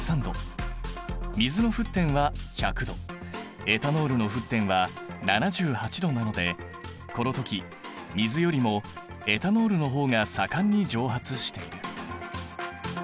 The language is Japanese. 水の沸点は１００℃エタノールの沸点は７８℃なのでこの時水よりもエタノールの方が盛んに蒸発している。